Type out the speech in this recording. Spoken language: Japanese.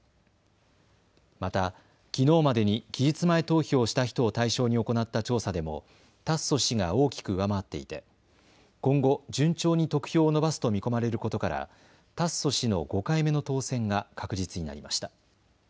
また、きのうまでに期日前投票をした人を対象に行った調査でも達増氏が大きく上回っていて今後、順調に得票を伸ばすと見込まれることから達増氏の５回目の当選が確実になりました。